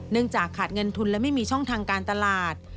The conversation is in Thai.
จากขาดเงินทุนและไม่มีช่องทางการตลาด